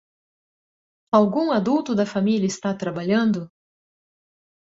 Algum adulto da família está trabalhando?